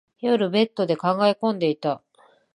夜、ベッドで考え込んでいた。